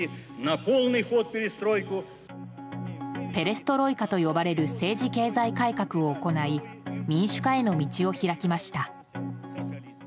ペレストロイカと呼ばれる政治・経済改革を行い民主化への道を開きました。